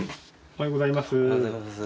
おはようございます。